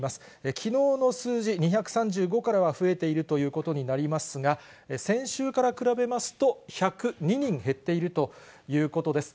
きのうの数字、２３５からは増えているということになりますが、先週から比べますと１０２人減っているということです。